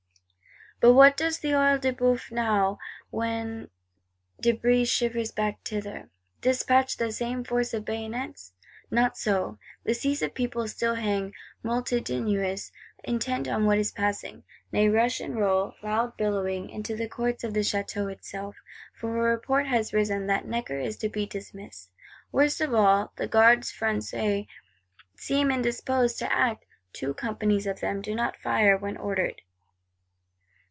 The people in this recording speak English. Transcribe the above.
_ But what does the Œil de Bœuf, now when De Brézé shivers back thither? Despatch that same force of bayonets? Not so: the seas of people still hang multitudinous, intent on what is passing; nay rush and roll, loud billowing, into the Courts of the Château itself; for a report has risen that Necker is to be dismissed. Worst of all, the Gardes Françaises seem indisposed to act: "two Companies of them do not fire when ordered!"